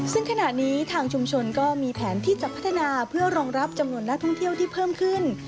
ซึ่งขณะนี้ทางชุมชนก็มีแผนที่จะพัฒนาเพื่อรองรับจำนวนนักท่องเที่ยวที่เพิ่มขึ้น